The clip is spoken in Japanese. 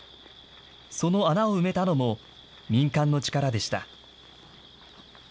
その穴を埋めたのも、民間の力でした。